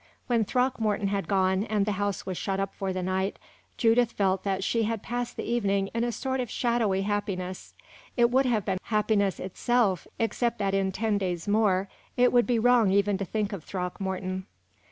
When Throckmorton had gone, and the house was shut up for the night, Judith felt that she had passed the evening in a sort of shadowy happiness; it would have been happiness itself, except that in ten days more it would be wrong even to think of Throckmorton.